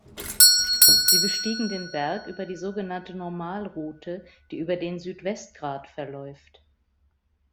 Sie bestiegen den Berg über die sogenannte Normalroute, die über den Südwestgrat verläuft.